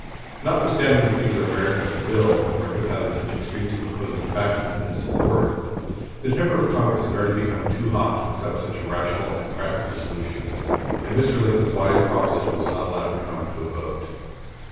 Notwithstanding the singular merit of the bill in reconciling such extremes of opposing factions in its support, the temper of Congress had already become too hot to accept such a rational and practical solution, and Mr. Lincoln's wise proposition was not allowed to come to a vote.